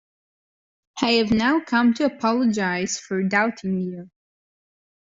I have now come to apologize for doubting you.